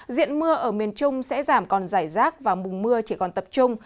diện mưa ở miền trung sẽ giảm còn giải rác và mùng mưa chỉ còn tập trung